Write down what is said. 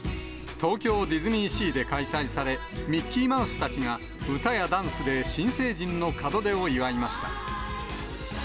東京ディズニーシーで開催され、ミッキーマウスたちが歌やダンスで新成人の門出を祝いました。